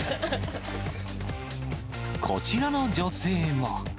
こちらの女性は。